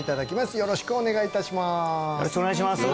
よろしくお願いします